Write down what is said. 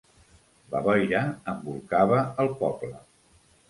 La boira embolcava el poble.